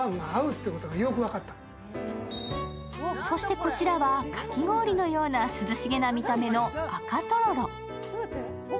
そしてこちらは、かき氷来のような涼しげな見込めの赤とろろ。